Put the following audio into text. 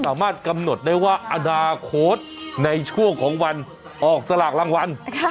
สามารถกำหนดได้ว่าอนาคตในช่วงของวันออกสลากรางวัล